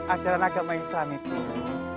ajaran agama islam itu